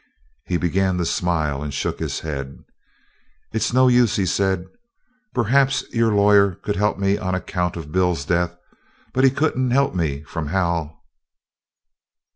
He began to smile, and shook his head. "It's no use," he said. "Perhaps your lawyer could help me on account of Bill's death, but he couldn't help me from Hal."